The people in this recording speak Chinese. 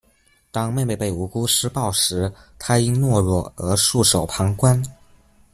当妹妹被无辜施暴时，他因懦弱而束手旁观。